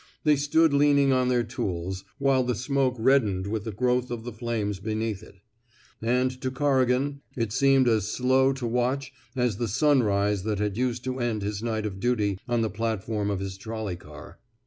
They stood leaning on their tools, while the smoke reddened with the growth of the flames beneath it; and to Corrigan it seemed as slow to watch as the sunrise that had used to end his night of duty on the platform of his trolley car.